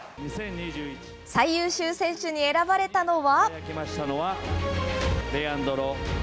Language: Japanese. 最優秀選手に選ばれたのは。